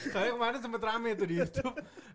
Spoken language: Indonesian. saya kemarin sempat rame tuh di youtube